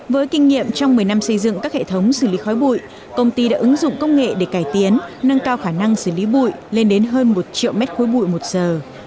với kinh nghiệm trong một mươi năm xây dựng các hệ thống xử lý khói bụi công ty đã ứng dụng công nghệ để cải tiến nâng cao khả năng xử lý bụi lên đến hơn một triệu mét khối bụi một giờ